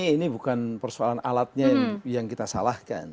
ini bukan persoalan alatnya yang kita salahkan